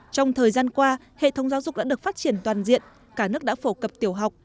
trong thời gian qua hệ thống giáo dục đã được phát triển toàn diện cả nước đã phổ cập tiểu học